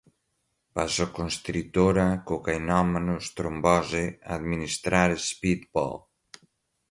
vasoconstritora, cocainômanos, trombose, administrar, speedball